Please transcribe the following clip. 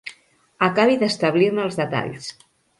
Acabi d'establir-ne els detalls.